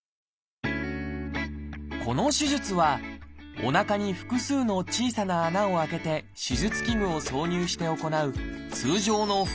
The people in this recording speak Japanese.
この手術はおなかに複数の小さな穴を開けて手術器具を挿入して行う通常の腹くう鏡